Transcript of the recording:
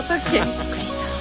びっくりした。